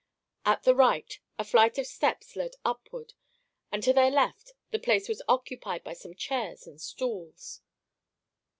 At the right, a flight of steps led upward, and to their left the place was occupied by some chairs and stools.